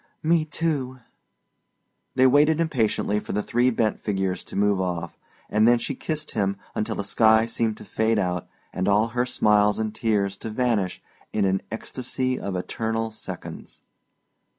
"Me, too." They waited impatiently for the three bent figures to move off, and then she kissed him until the sky seemed to fade out and all her smiles and tears to vanish in an ecstasy of eternal seconds.